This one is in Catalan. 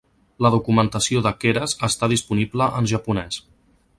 La documentació de Keras està disponible en japonès.